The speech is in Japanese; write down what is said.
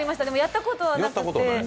でもやったことはなくて。